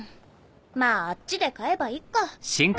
まぁあっちで買えばいっか。